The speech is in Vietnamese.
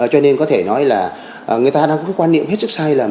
cho nên có thể nói là người ta đang có cái quan niệm hết sức sai lầm